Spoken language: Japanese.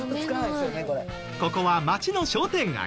ここは街の商店街。